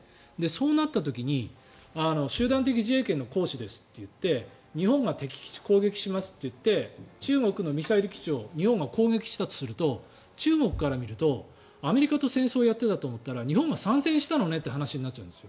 そうなった時に集団的自衛権の行使ですって言って日本が敵基地攻撃しますって言って中国のミサイル基地を日本が攻撃したとすると中国から見ると、アメリカと戦争をやっていたと思ったら日本が参戦したのねって話になっちゃうんです。